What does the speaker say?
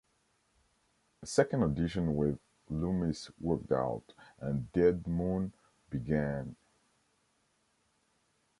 A second audition with Loomis worked out, and Dead Moon began.